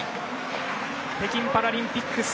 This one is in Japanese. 北京パラリンピック